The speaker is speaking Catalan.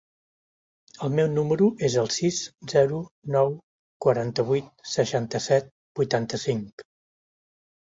El meu número es el sis, zero, nou, quaranta-vuit, seixanta-set, vuitanta-cinc.